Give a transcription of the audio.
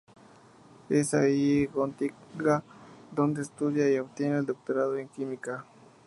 Es ahí, en Gotinga, donde estudia y obtiene el doctorado en química.